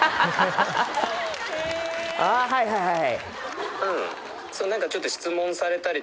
はいはいはいはい。